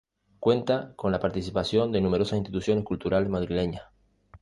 Cuenta con la participación de numerosas instituciones culturales madrileñas.